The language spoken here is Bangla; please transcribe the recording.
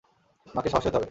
তোমাকে সাহসী হতে হবে!